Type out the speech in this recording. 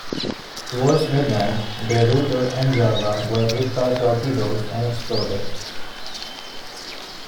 Towards midnight, "De Ruyter" and "Java" were hit by torpedoes and exploded.